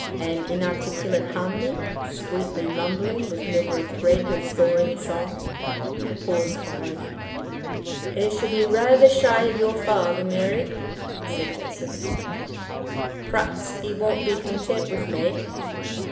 An inarticulate harmony sweetly mumbling, with never a thread of soaring song!" A pause followed. "I shall be rather shy of your father, Mary," said Joseph. "Perhaps he won't be content with me."